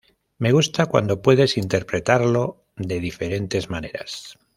Me gusta cuando puedes interpretarlo de diferentes maneras.